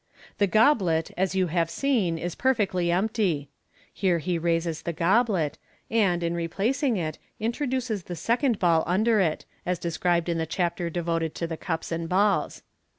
" The goblet, is you have seen, is perfectly empty." (Here he raises the goblet, and, in replacing it, introduces the second ball under it, as described in the chapter devoted to the Cups and Balls.)